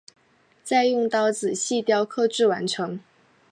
再用刀仔细雕刻至完成。